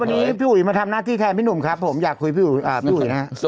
วันนี้พี่อุ๋ยมาทำหน้าที่แทนพี่หนุ่มครับผมอยากคุยพี่อุ๋ยนะครับ